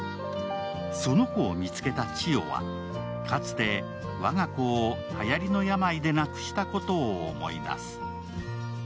その子を見つけた千代は、かつて我が子をはやりの病で亡くしたことを思い出す。